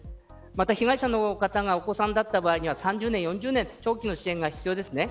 また被害者の方がお子さんだった場合は３０年４０年と長期の支援が必要です。